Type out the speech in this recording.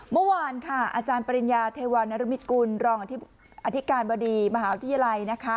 เมื่อวานค่ะอาจารย์ปริญญาเทวานรมิตกุลรองอธิการบดีมหาวิทยาลัยนะคะ